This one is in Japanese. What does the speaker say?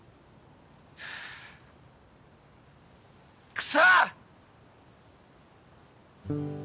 クソ！